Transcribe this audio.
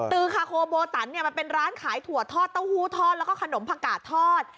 ตือคาโคโบตันเนี่ยมันเป็นร้านขายถั่วทอดเต้าหู้ทอดแล้วก็ขนมผักกาดทอด